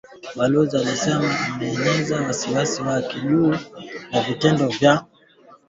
Balozi alisema ameelezea wasiwasi wake juu ya vitendo vya unyanyasaji, katika mazungumzo na Raisi wa Uganda.